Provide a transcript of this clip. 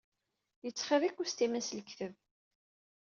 Yettxiḍi ikustimen s lekdeb.